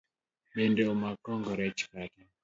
Bende omakoga rech kata?